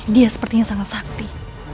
dia sepertinya sangat sakti